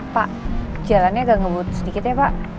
pak jalannya agak ngebut sedikit ya pak